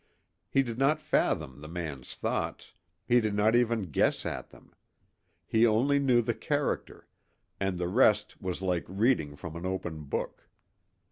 He did not fathom the man's thoughts, he did not even guess at them. He only knew the character, and the rest was like reading from an open book.